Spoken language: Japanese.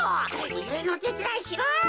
いえのてつだいしろ。